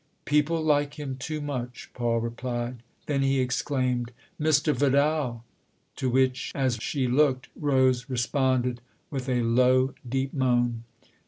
" People like him too much," Paul replied. Then he exclaimed: "Mr. Vidal !" to which, as she looked, Rose responded with a low, deep moan.